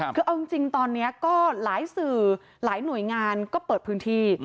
คือเอาจริงตอนนี้ก็หลายสื่อหลายหน่วยงานก็เปิดพื้นที่